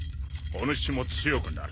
おぬしも強くなる。